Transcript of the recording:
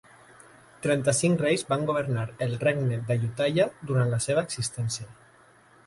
Trenta-cinc reis van governar el regne d'Ayutthaya durant la seva existència.